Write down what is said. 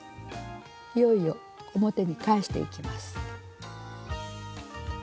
いよいよ表に返していきます。